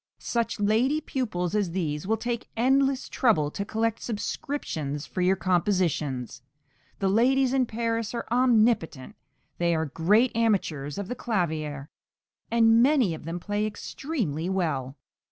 Such lady pupils as these will take endless trouble to collect subscriptions for your compositions. The ladies in Paris are omnipotent; they are great amateurs of the clavier, and many of them play extremely well.